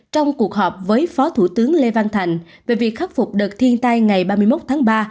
trong cuộc họp với phó thủ tướng lê văn thành về việc khắc phục đợt thiên tai ngày ba mươi một tháng ba